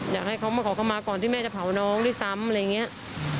อยากให้เขามาขอข้อม้าก่อนที่แม่จะเผาน้องด้วยซ้ำ